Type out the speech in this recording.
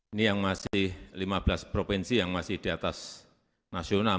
ini yang masih lima belas provinsi yang masih di atas nasional